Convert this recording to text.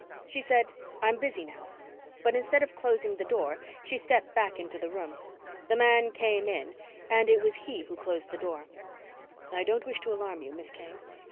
She said, "I'm busy now," but instead of closing the door, she stepped back into the room. The man came in and it was he who closed the door. "I don't wish to alarm you, Miss Kane."